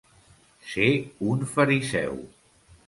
Ser un fariseu.